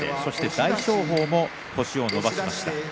大翔鵬も星を伸ばしました。